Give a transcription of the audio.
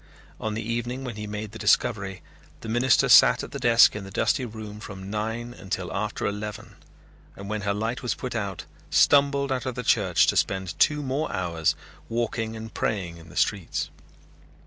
On the evening when he made the discovery the minister sat at the desk in the dusty room from nine until after eleven and when her light was put out stumbled out of the church to spend two more hours walking and praying in the streets.